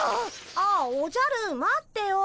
ああおじゃる待ってよ。